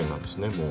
もう。